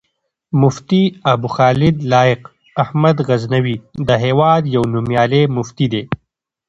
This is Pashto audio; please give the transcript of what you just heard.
مفتي ابوخالد لائق احمد غزنوي، د هېواد يو نوميالی مفتی دی